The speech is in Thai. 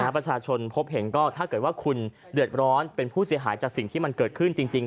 ประชาชนพบเห็นก็ถ้าเกิดว่าคุณเดือดร้อนเป็นผู้เสียหายจากสิ่งที่มันเกิดขึ้นจริง